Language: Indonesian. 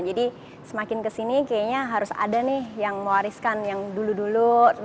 jadi semakin ke sini kayaknya harus ada nih yang mewariskan yang dulu dulu